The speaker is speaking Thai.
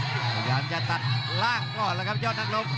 พยายามจะตัดล่างก่อนแล้วครับยอดนักรบ